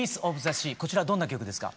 こちらどんな曲ですか？